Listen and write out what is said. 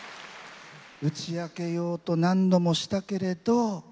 打ち明けようと何度もしたけれど。